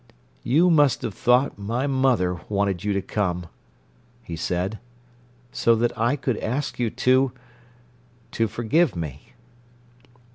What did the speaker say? "You must have thought my mother wanted you to come," he said, "so that I could ask you to—to forgive me."